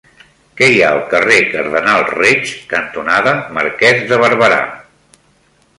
Què hi ha al carrer Cardenal Reig cantonada Marquès de Barberà?